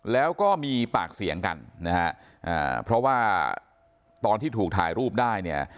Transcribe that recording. แล้วก็มีปากเสียงกันนะฮะเพราะว่าตอนที่ถูกถ่ายรูปได้เนี่ย